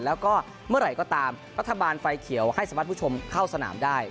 แล้วก็เมื่อไหร่ก็ตามรัฐบาลไฟเขียวให้สามารถผู้ชมเข้าสนามได้